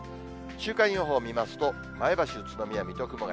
週間予報見ますと、前橋、宇都宮、水戸、熊谷。